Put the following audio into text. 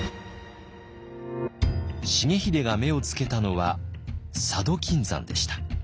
重秀が目をつけたのは佐渡金山でした。